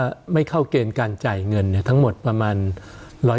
เห็นไหมคะบอกว่าใช้คนตรวจตั้งแต่วันแรกจนถึงตรวจเสร็จประมาณเดือนครึ่งใช้เวลา